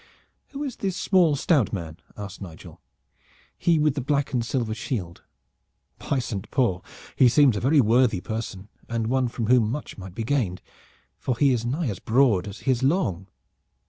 "Who is the small stout man" asked Nigel "he with the black and silver shield? By Saint Paul! he seems a very worthy person and one from whom much might be gained, for he is nigh as broad as he is long."